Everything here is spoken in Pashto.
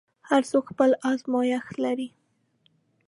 هر څوک خپل ازمېښت لري.